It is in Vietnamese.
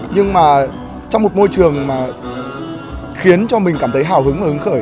nhưng mà trong một môi trường mà khiến cho mình cảm thấy hào hứng và hứng khởi